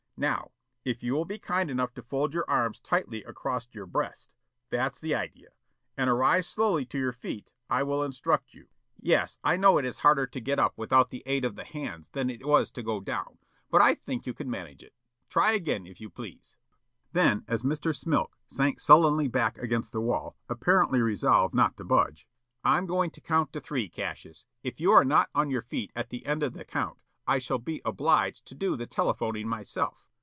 Now, if you will be kind enough to fold your arms tightly across your breast, that's the idea, and arise slowly to your feet, I will instruct you Yes, I know it is harder to get up without the aid of the hands than it was to go down, but I think you can manage it. Try again, if you please." Then, as Mr. Smilk sank sullenly back against the wall, apparently resolved not to budge: "I'm going to count three, Cassius. If you are not on your feet at the end of the count, I shall be obliged to do the telephoning myself."